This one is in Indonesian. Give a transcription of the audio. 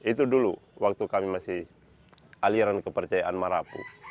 itu dulu waktu kami masih aliran kepercayaan marapu